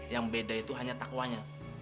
yang beda itu hanya takwanya